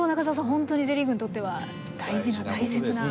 本当にＪリーグにとっては大事な大切な。